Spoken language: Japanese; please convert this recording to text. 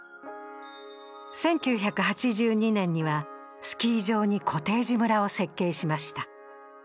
１９８２年にはスキー場にコテージ村を設計しました。